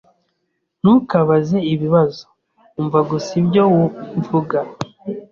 Ntukabaze ibibazo. Umva gusa ibyo mvuga.